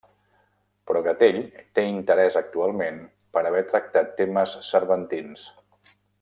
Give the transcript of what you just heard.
Però Gatell té interès actualment per haver tractat temes cervantins.